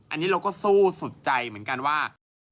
อันนี้เราก็สู้สุดใจเหมือนกันว่า